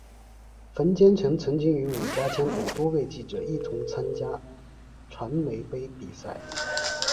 冯坚成曾经与伍家谦等多位记者一同参加传媒杯比赛。